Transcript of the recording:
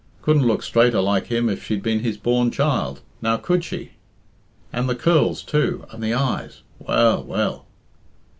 Couldn't look straighter like him if she'd been his born child; now, could she? And the curls, too, and the eyes! Well, well!"